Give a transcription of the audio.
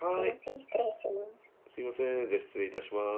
すいませんじゃあ失礼いたします。